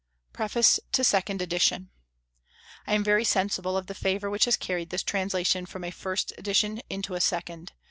PREFACE TO SECOND EDITION. I am very sensible of the favour which has carried this translation from a first edition into a second.